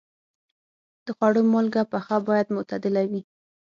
د خوړو مالګه پخه باید معتدله وي.